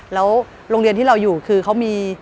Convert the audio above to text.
แล้วโรงเรียนที่เราอยู่คือเขามี